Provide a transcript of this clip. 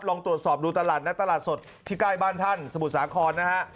ลองตรวจสอบดูตลาดนัดตลาดสดที่ใกล้บ้านท่านสมุทรสาครนะฮะ